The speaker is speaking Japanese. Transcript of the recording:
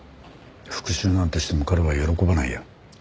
復讐なんてしても彼は喜ばないよ。